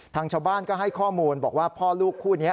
ทางชาวบ้านก็ให้ข้อมูลบอกว่าพ่อลูกคู่นี้